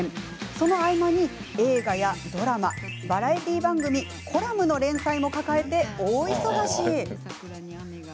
その合間に映画やドラマバラエティー番組コラムの連載も抱えて大忙し。